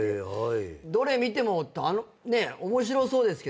どれ見ても面白そうですけどね。